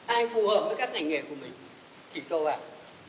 ai phù hợp với các ngành nghề của mình thì cho vào